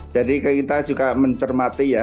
jadi kita juga mencermati ya